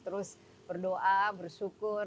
terus berdoa bersyukur